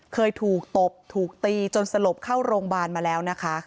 เคยถูกตบถูกตีจนสลบเข้าโรงพยาบาลมาแล้วนะคะ